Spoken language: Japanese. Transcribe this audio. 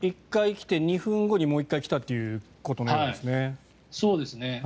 １回来て２分後にもう１回来たということのようですね。